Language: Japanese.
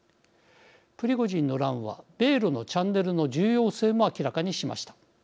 プリゴジンの乱は米ロのチャンネルの重要性も明らかにしました。